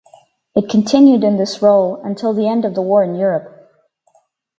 It continued in this role until the end of the war in Europe.